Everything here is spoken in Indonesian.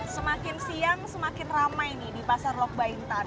semakin siang semakin ramai nih di pasar lok baintan